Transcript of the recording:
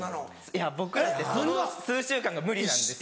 いや僕らってその数週間が無理なんです。